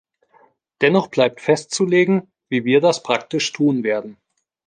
Dennoch bleibt festzulegen, wie wir das praktisch tun werden.